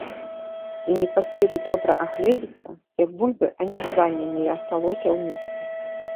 І не паспелі добра агледзецца, як бульбы анізвання не асталося ў місцы.